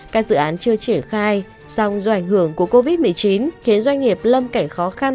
các dự án chưa triển khai song do ảnh hưởng của covid một mươi chín khiến doanh nghiệp lâm cảnh khó khăn